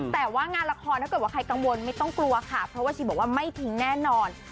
แต่ว่างานละครถ้าเกิดว่าใครกังวลไม่ต้องกลัวค่ะเพราะว่าชีบอกว่าไม่ทิ้งแน่นอน